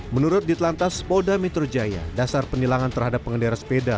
menurut ditelantas polda metro jaya dasar penilangan terhadap pengendara sepeda